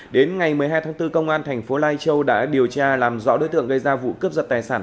đến ngày một mươi hai tháng bốn công an thành phố lai châu đã điều tra làm rõ đối tượng gây ra vụ cướp giật tài sản